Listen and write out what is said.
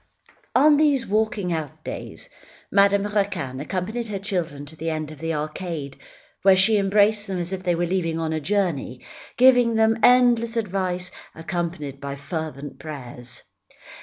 On these walking out days, Madame Raquin accompanied her children to the end of the arcade, where she embraced them as if they were leaving on a journey, giving them endless advice, accompanied by fervent prayers.